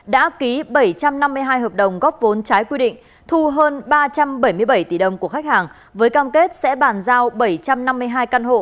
đã ký bảy trăm năm mươi hai hợp đồng góp vốn trái quy định thu hơn ba trăm bảy mươi bảy tỷ đồng của khách hàng với cam kết sẽ bàn giao bảy trăm năm mươi hai căn hộ